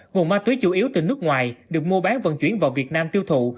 nguồn ma túy chủ yếu từ nước ngoài được mua bán vận chuyển vào việt nam tiêu thụ